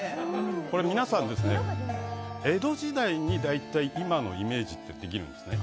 これ、江戸時代に大体今のイメージってできるんですね。